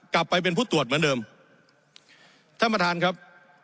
กลับไปเป็นผู้ตรวจเหมือนเดิมท่านประธานครับ